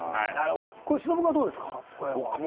忍君は、どうですか？